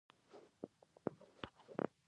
کله چې د پښتنو د عنعنوي ادارې جال نه وو شلېدلی.